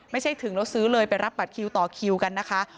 ถึงแล้วซื้อเลยไปรับบัตรคิวต่อคิวกันนะคะ